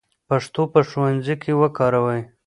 پښتو په ښوونځي کې وکاروئ.